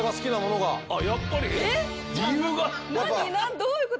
どういうこと？